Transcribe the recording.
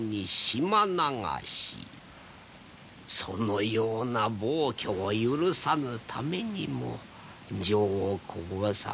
そのような暴挙を許さぬためにも上皇様